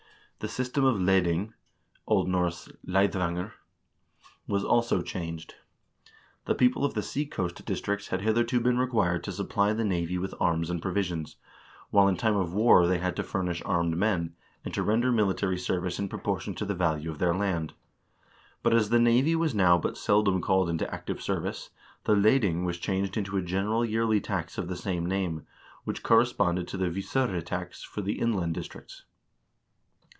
1 The system of leding (O. N. leidangr) was also changed. The people of the sea coast districts had hitherto been required to supply the navy with arms and provisions, while in time of war they had to furnish armed men, and to render military service in proportion to the value of their land. But as the navy was now but seldom called into active service, the leding was changed into a general yearly tax of the same name, which corresponded to the visfire tax for the inland districts.